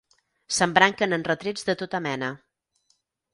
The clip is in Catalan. S'embranquen en retrets de tota mena.